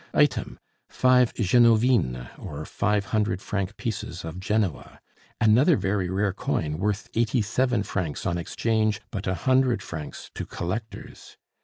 Item, five genovines, or five hundred franc pieces of Genoa; another very rare coin worth eighty seven francs on exchange, but a hundred francs to collectors.